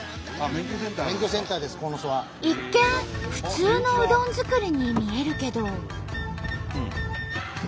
一見普通のうどん作りに見えるけど。